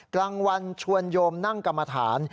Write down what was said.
กลางวันชวนโยมนั่งกรรมฐาน